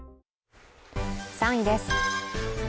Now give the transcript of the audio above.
３位です。